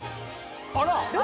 あら！